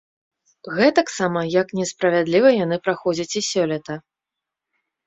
Гэтаксама, як несправядліва яны праходзяць і сёлета.